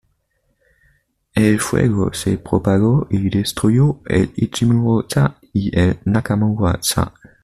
El fuego se propagó y destruyó el Ichimura-za y el Nakamura-za.